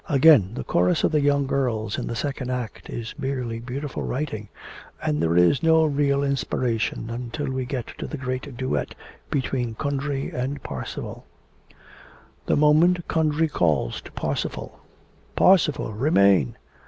Again, the chorus of the young girls in the second act is merely beautiful writing, and there is no real inspiration until we get to the great duet between Kundry and Parsifal. The moment Kundry calls to Parsifal, "Parsifal... Remain!"